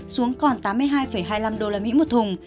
xuống còn tám mươi hai hai mươi năm usd một thùng